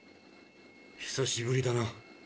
久しぶりだな。